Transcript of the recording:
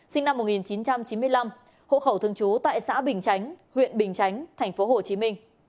sinh năm một nghìn chín trăm chín mươi năm hộ khẩu thường trú tại xã bình chánh huyện bình chánh tp hcm